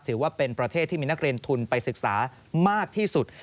ถือว่าเป็นประเทศที่มีนักเรียนทุนไปศึกษามากที่สุด